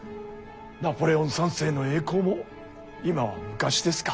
ナポレオン三世の栄光も今は昔ですか。